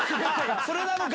それなのか。